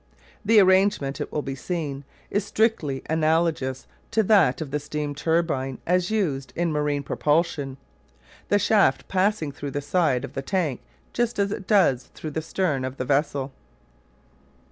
The arrangement, it will be seen, is strictly analogous to that of the steam turbine as used in marine propulsion, the shaft passing through the side of the tank just as it does through the stern of the vessel.